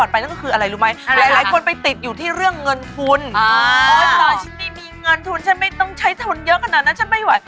พี่แม่มีไหม